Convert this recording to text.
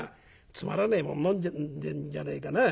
つまらねえもん飲んでんじゃねえかな。